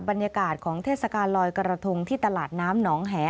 บรรยากาศของเทศกาลลอยกระทงที่ตลาดน้ำหนองแห